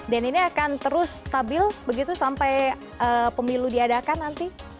dan ini akan terus stabil begitu sampai pemilu diadakan nanti